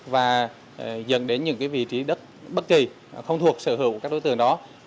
và dần đến những vị trí đất bất kỳ không thuộc sở hữu của các đối tượng đó